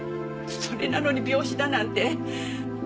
それなのに病死だなんて。